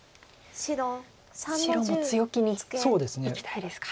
白も強気にいきたいですか。